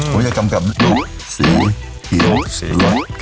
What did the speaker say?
ผมจะกำกับสีเหยาหล่อย